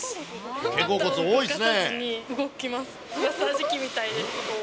肩甲骨、多いですね。